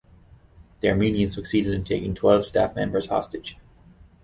The Armenians succeeding in taking twelve staff members hostage.